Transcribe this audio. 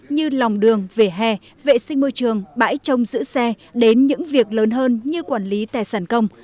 như lòng đường vỉa hè vệ sinh môi trường bãi trông giữ xe đến những việc lớn hơn như quản lý tài sản công